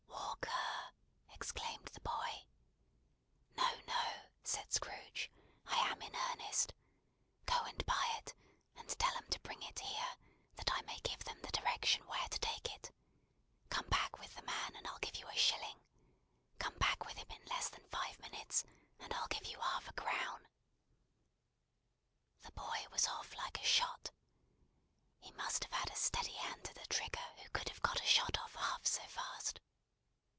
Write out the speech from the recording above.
"Walk ER!" exclaimed the boy. "No, no," said Scrooge, "I am in earnest. Go and buy it, and tell 'em to bring it here, that I may give them the direction where to take it. Come back with the man, and I'll give you a shilling. Come back with him in less than five minutes and I'll give you half a crown!" The boy was off like a shot. He must have had a steady hand at a trigger who could have got a shot off half so fast.